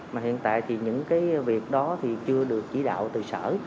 mà hiện tại thì những cái việc đó thì chưa được chỉ đạo từ sở